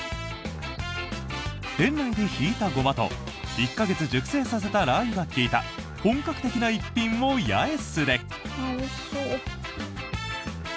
店内でひいたゴマと１か月熟成させたラー油が利いた本格的な逸品を八重洲で！